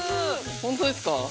◆本当ですか？